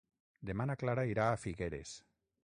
Demà na Clara irà a Figueres.